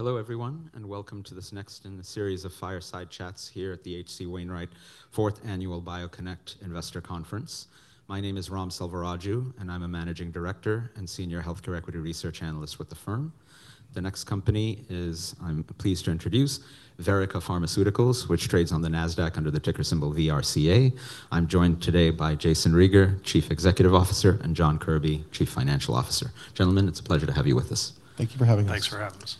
Hello, everyone, and welcome to this next in the series of fireside chats here at the H.C. Wainwright Fourth Annual BioConnect Investor Conference. My name is Ram Selvaraju, and I'm a managing director and senior healthcare equity research analyst with the firm. The next company is, I'm pleased to introduce, Verrica Pharmaceuticals, which trades on the Nasdaq under the ticker symbol VRCA. I'm joined today by Jayson Rieger, Chief Executive Officer, and John Kirby, Chief Financial Officer. Gentlemen, it's a pleasure to have you with us. Thank you for having us.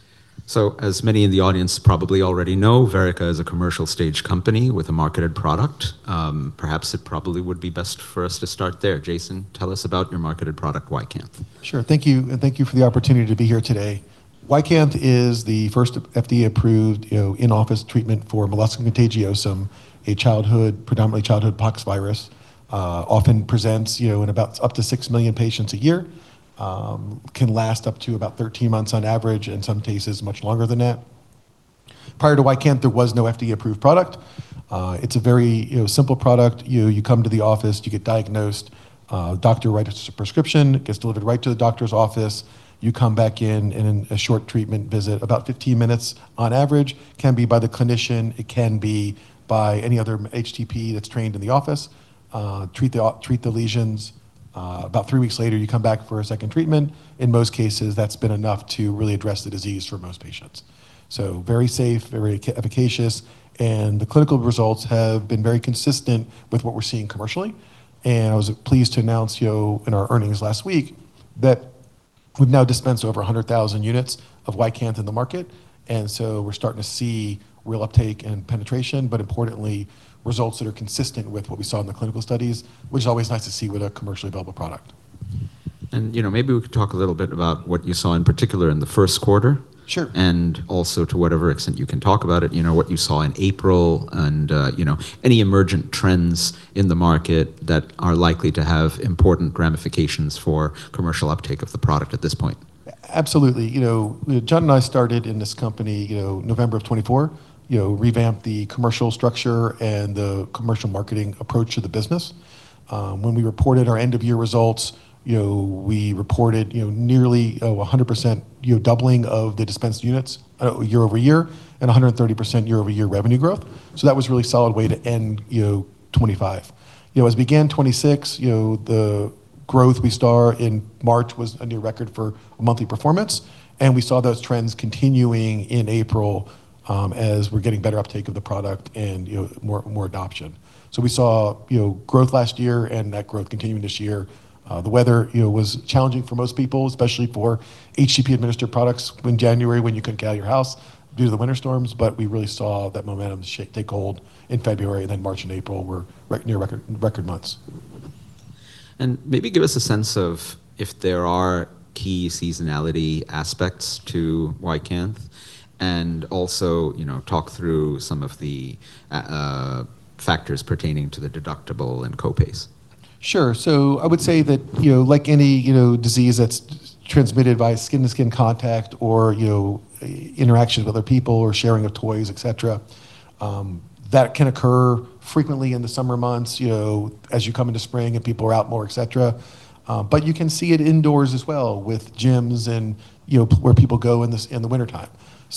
Thanks for having us. As many in the audience probably already know, Verrica is a commercial stage company with a marketed product. Perhaps it probably would be best for us to start there. Jayson, tell us about your marketed product, YCANTH. Sure. Thank you, and thank you for the opportunity to be here today. YCANTH is the first FDA-approved, you know, in-office treatment for molluscum contagiosum, a childhood, predominantly childhood pox virus, often presents, you know, in about up to six million patients a year, can last up to about 13 months on average, in some cases much longer than that. Prior to YCANTH, there was no FDA-approved product. It's a very, you know, simple product. You know, you come to the office, you get diagnosed, doctor writes a prescription, it gets delivered right to the doctor's office. You come back in in a short treatment visit, about 15 minutes on average. Can be by the clinician, it can be by any other HCP that's trained in the office. Treat the lesions. About three weeks later, you come back for a second treatment. In most cases, that's been enough to really address the disease for most patients. Very safe, very efficacious, and the clinical results have been very consistent with what we're seeing commercially. I was pleased to announce, you know, in our earnings last week that we've now dispensed over 100,000 units of YCANTH in the market. We're starting to see real uptake and penetration. Importantly, results that are consistent with what we saw in the clinical studies, which is always nice to see with a commercially available product. You know, maybe we could talk a little bit about what you saw in particular in the first quarter. Sure. Also to whatever extent you can talk about it, you know, what you saw in April, you know, any emergent trends in the market that are likely to have important ramifications for commercial uptake of the product at this point. Absolutely. You know, Joe Bonaccorso and I started in this company, you know, November of 2024, you know, revamped the commercial structure and the commercial marketing approach of the business. When we reported our end-of-year results, you know, we reported, you know, nearly 100%, you know, doubling of the dispensed units year-over-year and 130% year-over-year revenue growth. That was really solid way to end, you know, 2025. You know, as we began 2026, you know, the growth we saw in March was a new record for monthly performance, and we saw those trends continuing in April, as we're getting better uptake of the product and, you know, more adoption. We saw, you know, growth last year and that growth continuing this year. The weather, you know, was challenging for most people, especially for HCP-administered products in January when you couldn't get out of your house due to the winter storms, but we really saw that momentum take hold in February, and then March and April were near record months. Maybe give us a sense of if there are key seasonality aspects to YCANTH, and also, you know, talk through some of the factors pertaining to the deductible and co-pays. Sure. I would say that, you know, like any, you know, disease that's transmitted by skin-to-skin contact or, you know, interaction with other people or sharing of toys, et cetera, that can occur frequently in the summer months, you know, as you come into spring and people are out more, et cetera. You can see it indoors as well with gyms and, you know, where people go in the wintertime.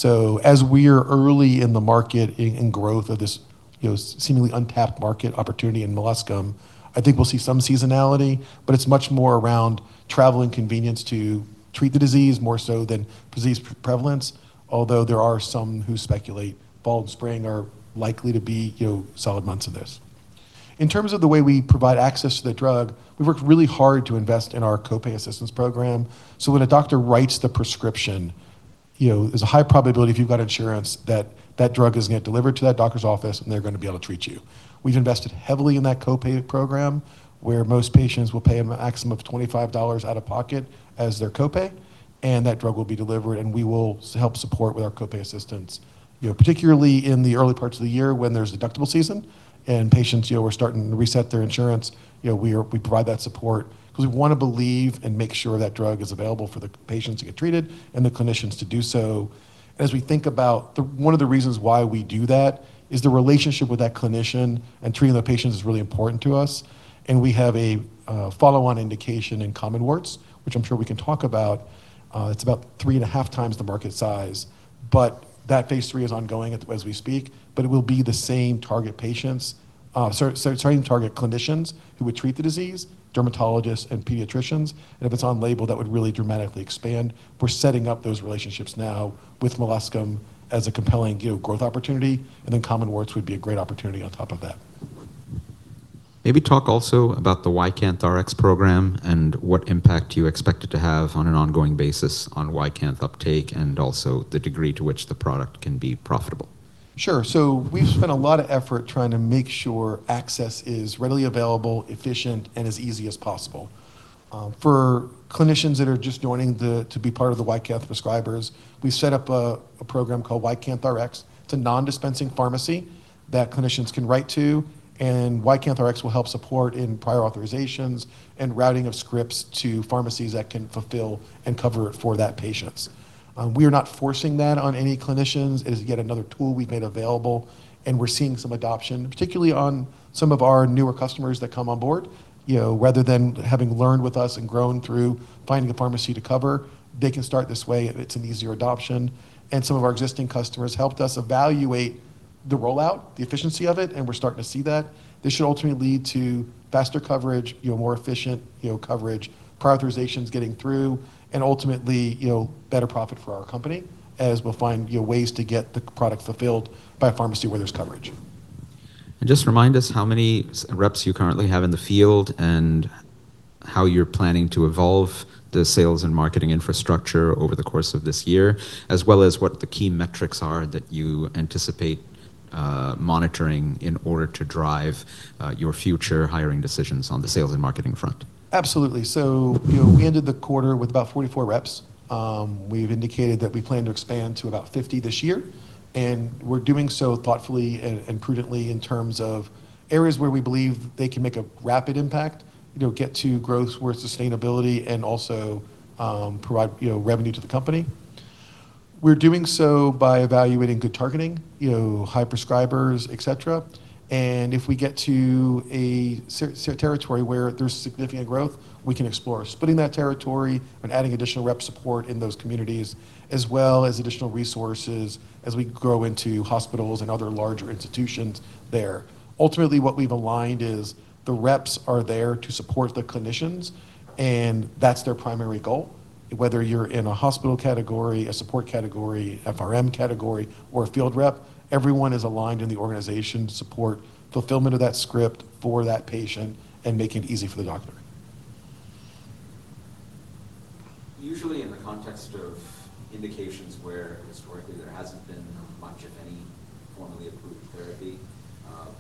As we are early in the market in growth of this, you know, seemingly untapped market opportunity in molluscum, I think we'll see some seasonality, but it's much more around travel inconvenience to treat the disease more so than disease prevalence, although there are some who speculate fall and spring are likely to be, you know, solid months of this. In terms of the way we provide access to the drug, we've worked really hard to invest in our co-pay assistance program. When a doctor writes the prescription, you know, there's a high probability if you've got insurance that that drug is going to get delivered to that doctor's office and they're going to be able to treat you. We've invested heavily in that co-pay program where most patients will pay a maximum of $25 out of pocket as their co-pay, and that drug will be delivered, and we will help support with our co-pay assistance. You know, particularly in the early parts of the year when there's deductible season and patients, you know, are starting to reset their insurance, you know, we provide that support because we wanna believe and make sure that drug is available for the patients to get treated and the clinicians to do so. As we think about one of the reasons why we do that is the relationship with that clinician and treating the patients is really important to us, and we have a follow-on indication in common warts, which I'm sure we can talk about. It's about three and a half times the market size, but that phase III is ongoing as we speak, but it will be the same target patients, sorry, target clinicians who would treat the disease, dermatologists and pediatricians. If it's on label, that would really dramatically expand. We're setting up those relationships now with molluscum as a compelling, you know, growth opportunity, and then common warts would be a great opportunity on top of that. Maybe talk also about the YCANTH Rx program and what impact you expect it to have on an ongoing basis on YCANTH uptake and also the degree to which the product can be profitable. Sure. We've spent a lot of effort trying to make sure access is readily available, efficient, and as easy as possible. For clinicians that are just joining to be part of the YCANTH prescribers, we set up a program called YCANTH Rx. It's a non-dispensing pharmacy that clinicians can write to, and YCANTH Rx will help support in prior authorizations and routing of scripts to pharmacies that can fulfill and cover for that patients. We are not forcing that on any clinicians. It is yet another tool we've made available, and we're seeing some adoption, particularly on some of our newer customers that come on board. You know, rather than having learned with us and grown through finding a pharmacy to cover, they can start this way. It's an easier adoption. Some of our existing customers helped us evaluate the rollout, the efficiency of it, and we're starting to see that. This should ultimately lead to faster coverage, you know, more efficient, you know, coverage, prior authorizations getting through, and ultimately, you know, better profit for our company as we'll find, you know, ways to get the product fulfilled by a pharmacy where there's coverage. Just remind us how many sales reps you currently have in the field and how you're planning to evolve the sales and marketing infrastructure over the course of this year, as well as what the key metrics are that you anticipate monitoring in order to drive your future hiring decisions on the sales and marketing front. Absolutely. We ended the quarter with about 44 reps. We've indicated that we plan to expand to about 50 this year, and we're doing so thoughtfully and prudently in terms of areas where we believe they can make a rapid impact, you know, get to growth where sustainability and also provide, you know, revenue to the company. We're doing so by evaluating good targeting, you know, high prescribers, et cetera. If we get to a territory where there's significant growth, we can explore splitting that territory and adding additional rep support in those communities as well as additional resources as we grow into hospitals and other larger institutions there. Ultimately, what we've aligned is the reps are there to support the clinicians, and that's their primary goal. Whether you're in a hospital category, a support category, FRM category, or a field rep, everyone is aligned in the organization to support fulfillment of that script for that patient and make it easy for the doctor. Usually in the context of indications where historically there hasn't been much of any formally approved therapy,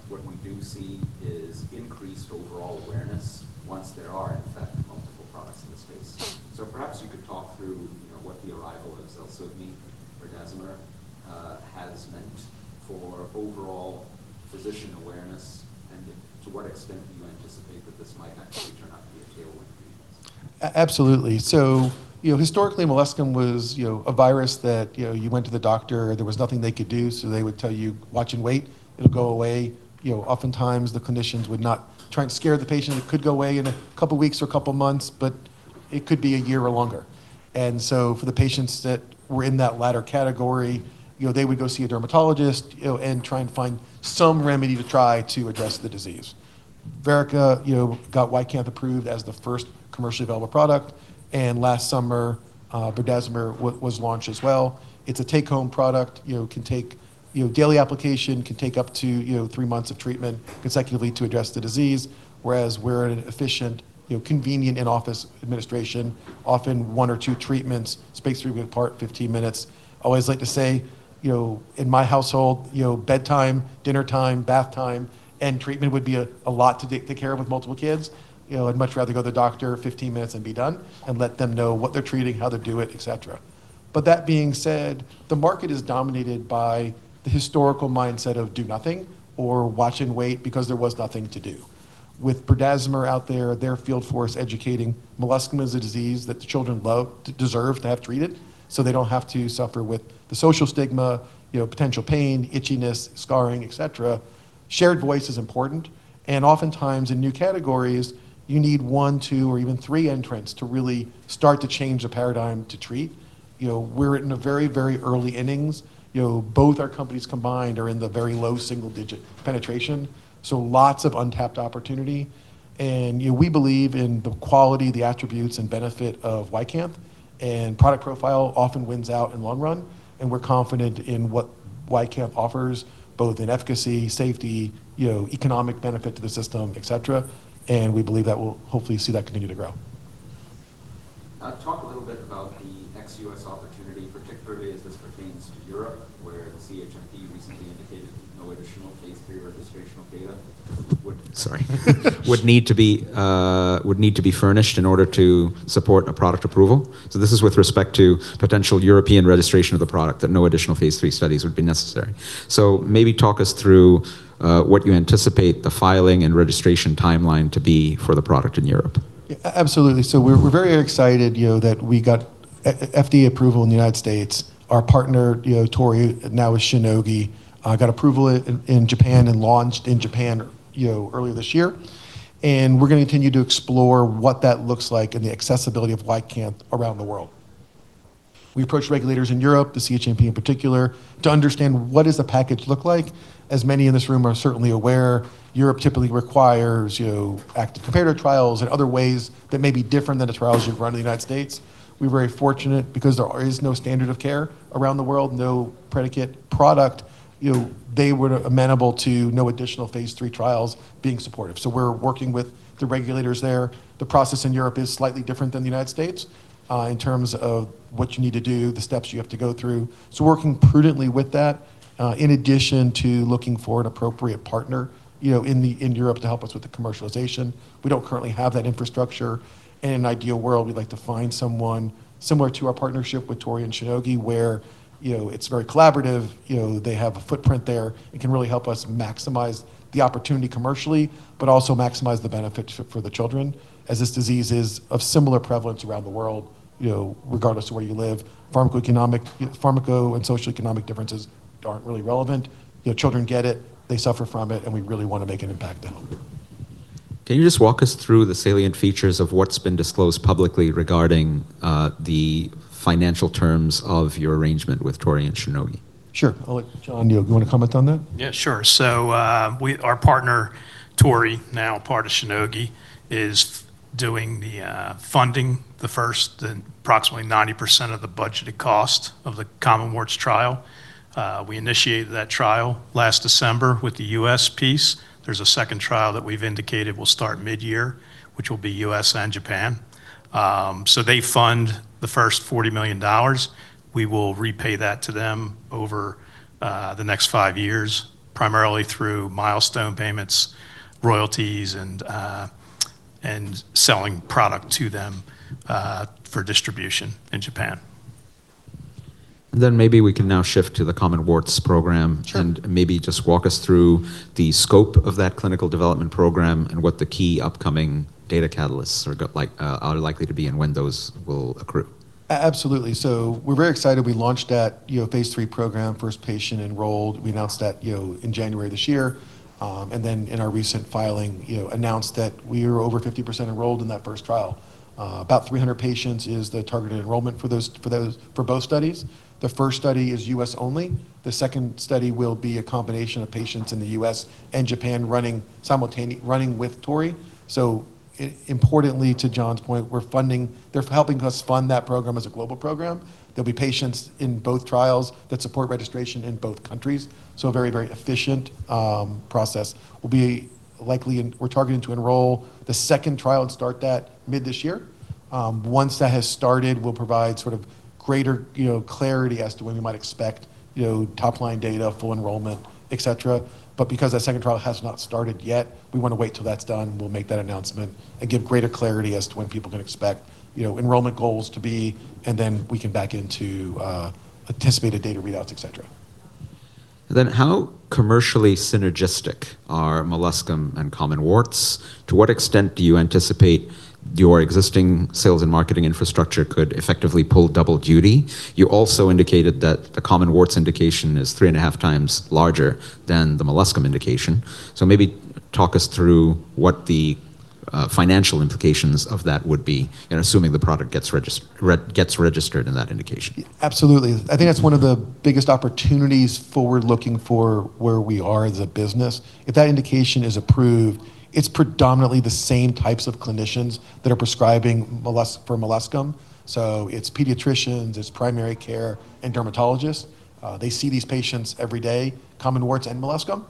what we do see is increased overall awareness once there are in fact multiple products in the space. Perhaps you could talk through, you know, what the arrival of ZELSUVMI or berdazimer, has meant for overall physician awareness and to what extent do you anticipate that this might actually turn out to be a tailwind for you guys? Absolutely. You know, historically, molluscum was, you know, a virus that, you know, you went to the doctor, there was nothing they could do, so they would tell you, "Watch and wait. It'll go away." You know, oftentimes the clinicians would not try and scare the patient. It could go away in two weeks or two months, it could be one year or longer. For the patients that were in that latter category, you know, they would go see a dermatologist, you know, and try and find some remedy to try to address the disease. Verrica, you know, got YCANTH approved as the first commercially available product, last summer, berdazimer was launched as well. It's a take-home product, you know, can take daily application can take up to, you know, three months of treatment consecutively to address the disease, whereas we're an efficient, you know, convenient in-office administration, often one or two treatments spaced three weeks apart, 15 minutes. Always like to say, you know, in my household, you know, bedtime, dinner time, bath time, and treatment would be a lot to take care of with multiple kids. You know, I'd much rather go to the doctor 15 minutes and be done and let them know what they're treating, how to do it, et cetera. That being said, the market is dominated by the historical mindset of do nothing or watch and wait because there was nothing to do. With berdazimer out there, their field force educating molluscum contagiosum is a disease that the children deserve to have treated, so they don't have to suffer with the social stigma, you know, potential pain, itchiness, scarring, et cetera. Shared voice is important, oftentimes in new categories you need one, two, or even three entrants to really start to change the paradigm to treat. You know, we're in a very, very early innings. You know, both our companies combined are in the very low single-digit penetration, so lots of untapped opportunity. You know, we believe in the quality, the attributes, and benefit of YCANTH, and product profile often wins out in long run, and we're confident in what YCANTH offers, both in efficacy, safety, you know, economic benefit to the system, et cetera. We believe that we'll hopefully see that continue to grow. Talk a little bit about the ex-U.S. opportunity, particularly as this pertains to Europe, where the CHMP recently indicated no additional phase III registrational data. Sorry. Would need to be furnished in order to support a product approval. This is with respect to potential European registration of the product, that no additional phase III studies would be necessary. Maybe talk us through what you anticipate the filing and registration timeline to be for the product in Europe. Absolutely. We're very excited, you know, that we got FDA approval in the U.S. Our partner, you know, Torii, now with Shionogi, got approval in Japan and launched in Japan, you know, earlier this year. We're gonna continue to explore what that looks like and the accessibility of YCANTH around the world. We approached regulators in Europe, the CHMP in particular, to understand what does the package look like. As many in this room are certainly aware, Europe typically requires, you know, active comparator trials and other ways that may be different than the trials you'd run in the U.S. We're very fortunate because there is no standard of care around the world, no predicate product, you know, they were amenable to no additional phase III trials being supportive. We're working with the regulators there. The process in Europe is slightly different than the U.S., in terms of what you need to do, the steps you have to go through. Working prudently with that, in addition to looking for an appropriate partner, you know, in Europe to help us with the commercialization. We don't currently have that infrastructure. In an ideal world, we'd like to find someone similar to our partnership with Torii and Shionogi, where, you know, it's very collaborative. You know, they have a footprint there. It can really help us maximize the opportunity commercially, but also maximize the benefit for the children, as this disease is of similar prevalence around the world, you know, regardless of where you live. Pharmacoeconomic and socioeconomic differences aren't really relevant. You know, children get it, they suffer from it, and we really wanna make an impact there. Can you just walk us through the salient features of what's been disclosed publicly regarding the financial terms of your arrangement with Torii and Shionogi? Sure. I'll let Joe Bonaccorso Do you wanna comment on that? Our partner Torii, now part of Shionogi, is doing the funding, the first approximately 90% of the budgeted cost of the common warts trial. We initiated that trial last December with the U.S. piece. There's a second trial that we've indicated will start midyear, which will be U.S. and Japan. They fund the first $40 million. We will repay that to them over the next five years, primarily through milestone payments, royalties, and selling product to them for distribution in Japan. Maybe we can now shift to the common warts program. Sure. Maybe just walk us through the scope of that clinical development program and what the key upcoming data catalysts like, are likely to be and when those will accrue? Absolutely. We're very excited. We launched that, you know, phase III program, first patient enrolled. We announced that, you know, in January this year. In our recent filing, you know, announced that we are over 50% enrolled in that first trial. About 300 patients is the targeted enrollment for both studies. The first study is U.S. only. The second study will be a combination of patients in the U.S. and Japan running with Torii Pharmaceutical. Importantly, to John Kirby's point, they're helping us fund that program as a global program. There'll be patients in both trials that support registration in both countries, a very efficient process. We're targeting to enroll the second trial and start that mid this year. Once that has started, we'll provide sort of greater, you know, clarity as to when we might expect, you know, top-line data, full enrollment, et cetera. Because that second trial has not started yet, we wanna wait till that's done. We'll make that announcement and give greater clarity as to when people can expect, you know, enrollment goals to be, and then we can back into anticipated data readouts, et cetera. How commercially synergistic are molluscum and common warts? To what extent do you anticipate your existing sales and marketing infrastructure could effectively pull double duty? You also indicated that the common warts indication is three and a half times larger than the molluscum indication. Maybe talk us through what the financial implications of that would be, and assuming the product gets registered in that indication. Absolutely. I think that's one of the biggest opportunities forward-looking for where we are as a business. If that indication is approved, it's predominantly the same types of clinicians that are prescribing for molluscum, so it's pediatricians, it's primary care and dermatologists. They see these patients every day, common warts and molluscum.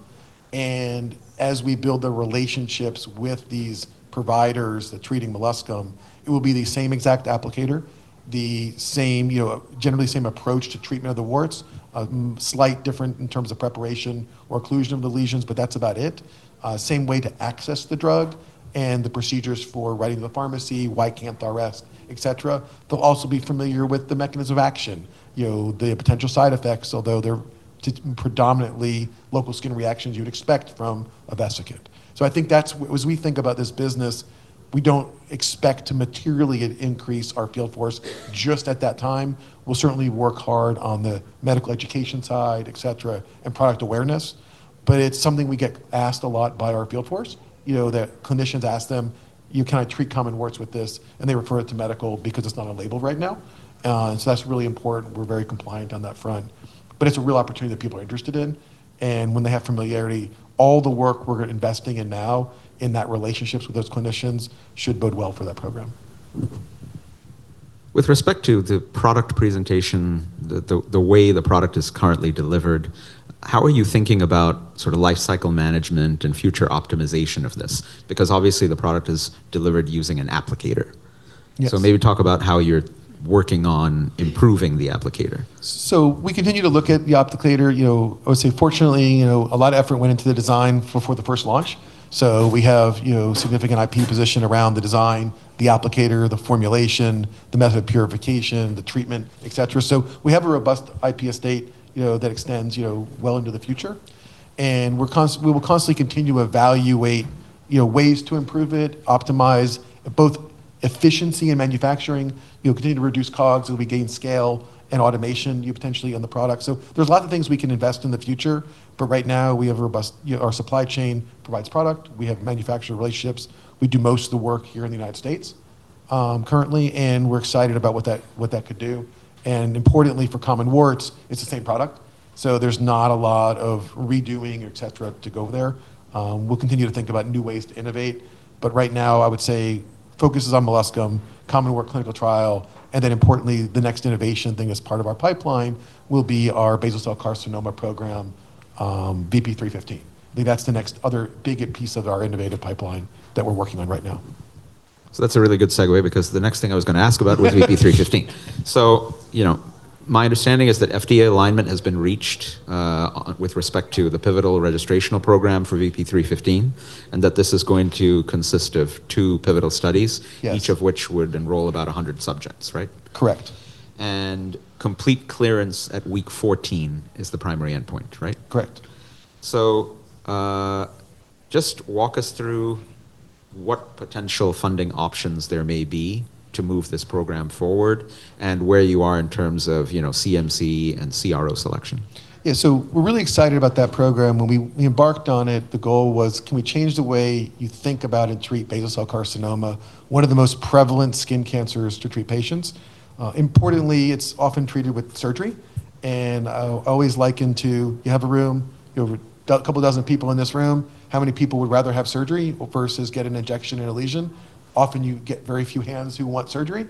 As we build the relationships with these providers treating molluscum, it will be the same exact applicator, the same, you know, generally the same approach to treatment of the warts, slight different in terms of preparation or occlusion of the lesions, but that's about it. Same way to access the drug and the procedures for writing the pharmacy, YCANTH Rx, et cetera. They'll also be familiar with the mechanism of action, you know, the potential side effects, although they're predominantly local skin reactions you'd expect from a vesicant. I think that's As we think about this business, we don't expect to materially increase our field force just at that time. We'll certainly work hard on the medical education side, et cetera, and product awareness, but it's something we get asked a lot by our field force, you know, that clinicians ask them, "You kinda treat common warts with this," and they refer it to medical because it's not on label right now. That's really important. It's a real opportunity that people are interested in. When they have familiarity, all the work we're investing in now in that relationships with those clinicians should bode well for that program. With respect to the product presentation, the way the product is currently delivered, how are you thinking about sort of life cycle management and future optimization of this? Obviously the product is delivered using an applicator. Yes. Maybe talk about how you're working on improving the applicator. We continue to look at the applicator. You know, I would say fortunately, you know, a lot of effort went into the design before the first launch. We have, you know, significant IP position around the design, the applicator, the formulation, the method of purification, the treatment, et cetera. We have a robust IP estate, you know, that extends, you know, well into the future. We will constantly continue to evaluate, you know, ways to improve it, optimize both efficiency in manufacturing. We'll continue to reduce COGS as we gain scale and automation, you know, potentially on the product. There's a lot of things we can invest in the future, but right now. You know, our supply chain provides product. We have manufacturer relationships. We do most of the work here in the U.S. currently, we're excited about what that, what that could do. Importantly for common warts, it's the same product, so there's not a lot of redoing, et cetera, to go there. We'll continue to think about new ways to innovate, right now I would say focus is on molluscum, common wart clinical trial, importantly the next innovation thing as part of our pipeline will be our basal cell carcinoma program, VP-315. I think that's the next other big piece of our innovative pipeline that we're working on right now. That's a really good segue because the next thing I was gonna ask about was VP-315. You know, my understanding is that FDA alignment has been reached with respect to the pivotal registrational program for VP-315, and that this is going to consist of two pivotal studies. Yes each of which would enroll about 100 subjects, right? Correct. Complete clearance at week 14 is the primary endpoint, right? Correct. Just walk us through what potential funding options there may be to move this program forward and where you are in terms of, you know, CMC and CRO selection? Yeah, we're really excited about that program. When we embarked on it, the goal was can we change the way you think about and treat basal cell carcinoma, one of the most prevalent skin cancers to treat patients? Importantly, it's often treated with surgery, and I always liken to you have a room, you have a couple dozen people in this room, how many people would rather have surgery versus get an injection and a lesion? Often you get very few hands who want surgery.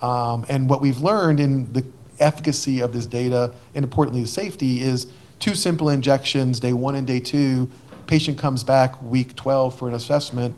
What we've learned in the efficacy of this data, and importantly the safety, is two simple injections day one and day two, patient comes back week 12 for an assessment,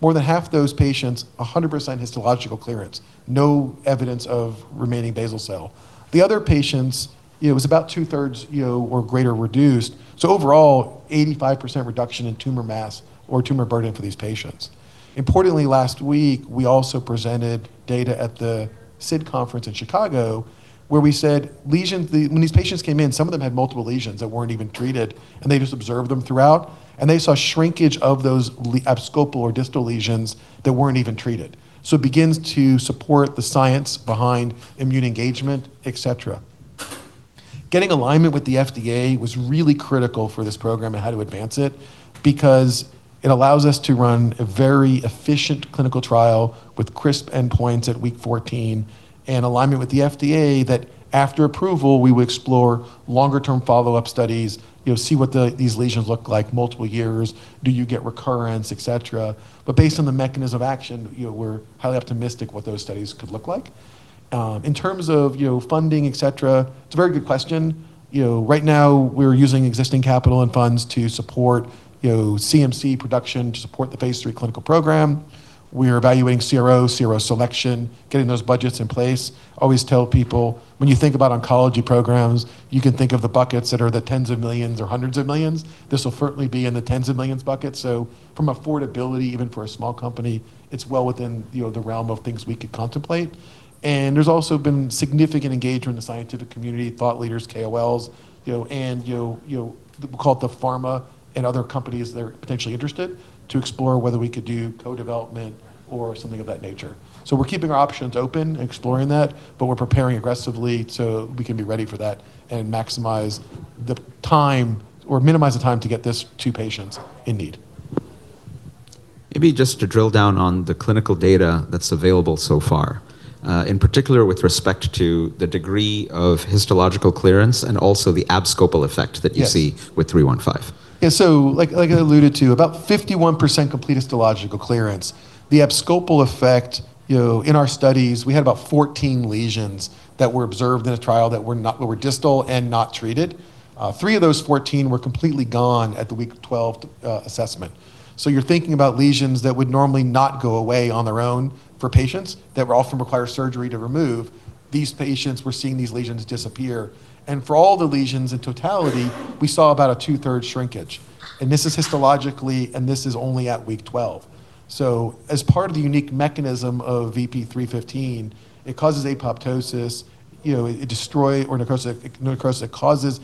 more than half those patients 100% histological clearance, no evidence of remaining basal cell. The other patients, it was about two-thirds, you know, or greater reduced, so overall 85% reduction in tumor mass or tumor burden for these patients. Importantly, last week we also presented data at the SID conference in Chicago where we said lesions. When these patients came in, some of them had multiple lesions that weren't even treated, and they just observed them throughout, and they saw shrinkage of those abscopal or distal lesions that weren't even treated. Begins to support the science behind immune engagement, et cetera. Getting alignment with the FDA was really critical for this program and how to advance it because it allows us to run a very efficient clinical trial with crisp endpoints at week 14 and alignment with the FDA that after approval we would explore longer term follow-up studies, you know, see what these lesions look like multiple years, do you get recurrence, et cetera. Based on the mechanism of action, you know, we're highly optimistic what those studies could look like. In terms of, you know, funding, et cetera, it's a very good question. You know, right now we're using existing capital and funds to support, you know, CMC production to support the phase III clinical program. We're evaluating CRO selection, getting those budgets in place. Always tell people, When you think about oncology programs, you can think of the buckets that are the tens of millions or hundreds of millions." This will certainly be in the tens of millions bucket, so from affordability even for a small company, it's well within, you know, the realm of things we could contemplate. There's also been significant engagement in the scientific community, thought leaders, KOLs, you know, and, you know, we'll call it the pharma and other companies that are potentially interested to explore whether we could do co-development or something of that nature. We're keeping our options open and exploring that, but we're preparing aggressively so we can be ready for that and maximize the time or minimize the time to get this to patients in need. Maybe just to drill down on the clinical data that's available so far, in particular with respect to the degree of histological clearance and also the abscopal effect that you see? Yes with 315. Like, like I alluded to, about 51% complete histological clearance. The abscopal effect, you know, in our studies we had about 14 lesions that were observed in a trial that were distal and not treated. Three of those 14 were completely gone at the week 12 assessment. You're thinking about lesions that would normally not go away on their own for patients, that would often require surgery to remove. These patients were seeing these lesions disappear. For all the lesions in totality, we saw about a two-thirds shrinkage, and this is histologically and this is only at week 12. As part of the unique mechanism of VP-315, it causes apoptosis, you know, necrosis causes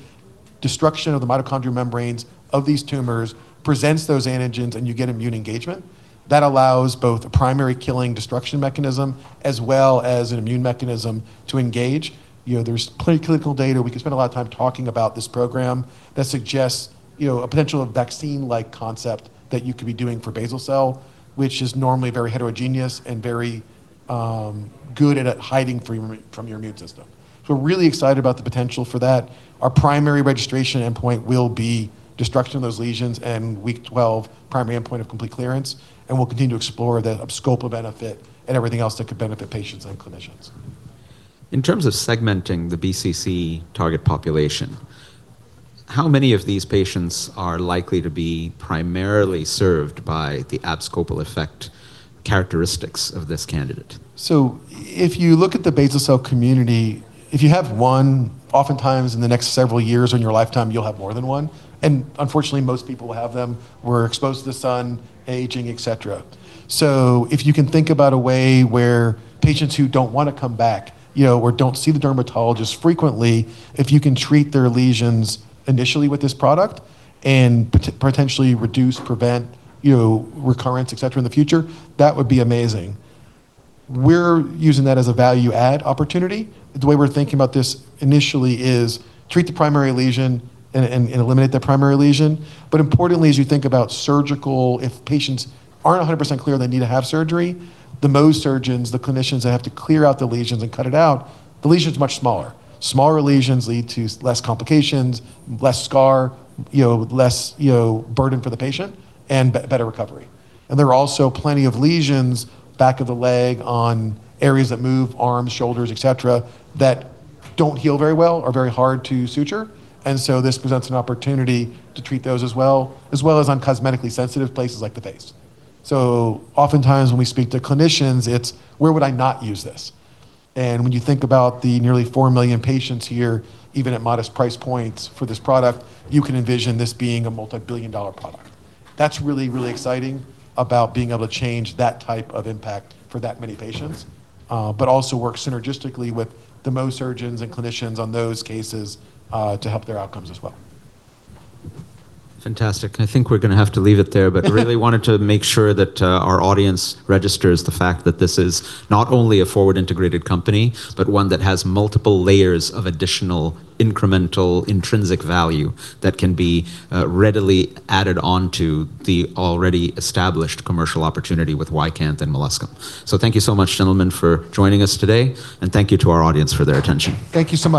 destruction of the mitochondrial membranes of these tumors, presents those antigens, and you get immune engagement. That allows both a primary killing destruction mechanism as well as an immune mechanism to engage. You know, there's plenty of clinical data, we could spend a lot of time talking about this program, that suggests, you know, a potential vaccine-like concept that you could be doing for basal cell, which is normally very heterogeneous and very good at hiding from your immune system. We're really excited about the potential for that. Our primary registration endpoint will be destruction of those lesions and week 12 primary endpoint of complete clearance. We'll continue to explore the abscopal benefit and everything else that could benefit patients and clinicians. In terms of segmenting the BCC target population, how many of these patients are likely to be primarily served by the abscopal effect characteristics of this candidate? If you look at the basal cell community, if you have one, oftentimes in the next several years in your lifetime you'll have more than one, and unfortunately most people will have them. We're exposed to the sun, aging, et cetera. If you can think about a way where patients who don't want to come back, you know, or don't see the dermatologist frequently, if you can treat their lesions initially with this product and potentially reduce, prevent, you know, recurrence, et cetera, in the future, that would be amazing. We're using that as a value add opportunity. The way we're thinking about this initially is treat the primary lesion and eliminate that primary lesion, but importantly as you think about surgical, if patients aren't 100% clear they need to have surgery, the Mohs surgeons, the clinicians that have to clear out the lesions and cut it out, the lesion's much smaller. Smaller lesions lead to less complications, less scar, you know, less, you know, burden for the patient and better recovery. There are also plenty of lesions, back of the leg, on areas that move, arms, shoulders, et cetera, that don't heal very well, are very hard to suture. This presents an opportunity to treat those as well, as well as on cosmetically sensitive places like the face. Oftentimes when we speak to clinicians, it's, "Where would I not use this?" When you think about the nearly 4 million patients here, even at modest price points for this product, you can envision this being a multi-billion dollar product. That's really, really exciting about being able to change that type of impact for that many patients, but also work synergistically with the Mohs surgeons and clinicians on those cases, to help their outcomes as well. Fantastic. I think we're gonna have to leave it there, but really wanted to make sure that our audience registers the fact that this is not only a forward integrated company, but one that has multiple layers of additional incremental intrinsic value that can be readily added onto the already established commercial opportunity with YCANTH and molluscum. Thank you so much, gentlemen, for joining us today, and thank you to our audience for their attention. Thank you so much.